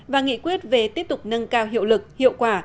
và nghị quyết về tiếp tục nâng cao hiệu lực hiệu quả